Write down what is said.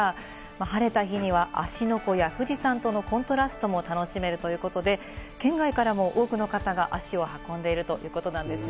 晴れた日には芦ノ湖や富士山とのコントラストも楽しめるということで、県外からも多くの方が足を運んでいるということですね。